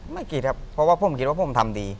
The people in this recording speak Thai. ไม่คิดครับเพราะว่าผมคิดว่าผมทำดี